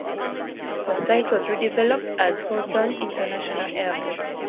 The site was redeveloped as Houlton International Airport.